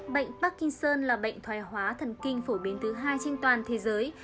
bệnh parkinson là bệnh thoái hóa thần kinh phổ biến thứ hai trên toàn thế giới